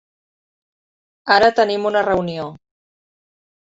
Ara tenim una reunió.